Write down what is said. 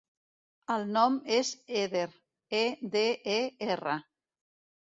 El nom és Eder: e, de, e, erra.